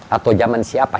atau zaman siapa